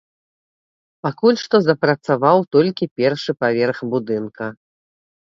Пакуль што запрацаваў толькі першы паверх будынка.